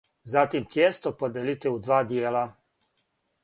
Затим тијесто подијелите у два дијела.